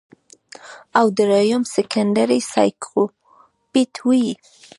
او دريم سيکنډري سايکوپېت وي